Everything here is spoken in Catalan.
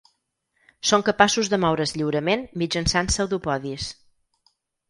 Són capaços de moure's lliurement mitjançant pseudopodis.